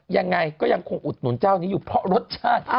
ยังไงก็ยังคงอุดหนุนเจ้านี้อยู่เพราะรสชาติ